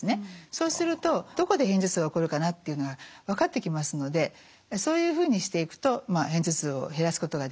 そうするとどこで片頭痛が起こるかなっていうのが分かってきますのでそういうふうにしていくと片頭痛を減らすことができるわけですね。